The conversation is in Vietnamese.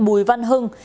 mùi văn hưng